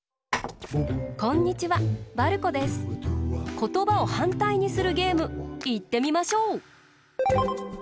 ことばをはんたいにするゲームいってみましょう！